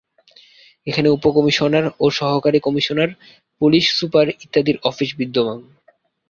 এখানে উপ-কমিশনার ও সহকারী কমিশনার, পুলিশ সুপার ইত্যাদির অফিস বিদ্যমান।